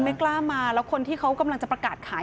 ไม่กล้ามาแล้วคนที่เขากำลังจะประกาศขาย